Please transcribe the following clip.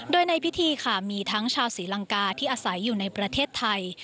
โดยในพิธีค่ะมีทั้งชาวศรีลังกาที่อาศัยอยู่ในประเทศไทย